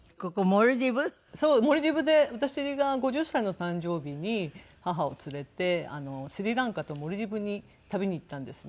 モルディブで私が５０歳の誕生日に母を連れてスリランカとモルディブに旅に行ったんですね。